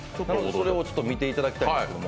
それを見ていただきたいんですけど。